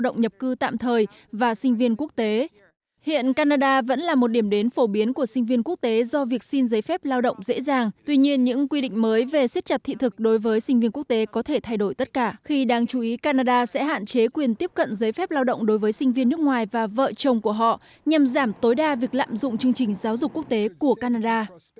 các trường đại học cũng đã ghi nhận sự sụt giảm về tài chính của các sinh viên nước ngoài và vợ chồng của họ nhằm giảm tối đa việc lạm dụng chương trình giáo dục quốc tế của canada